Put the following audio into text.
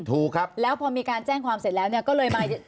ถูกครับแล้วพอมีการแจ้งความเสร็จแล้วเนี่ยก็เลยมา